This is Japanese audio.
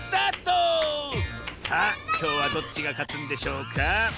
さあきょうはどっちがかつんでしょうか？